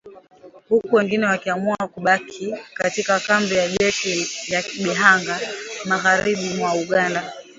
huku wengine wakiamua kubaki katika kambi ya jeshi ya Bihanga, magharibi mwa Uganda